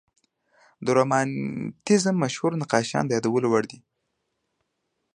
د رومانتیزم مشهور نقاشان د یادولو وړ دي.